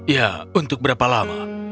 ya untuk berapa lama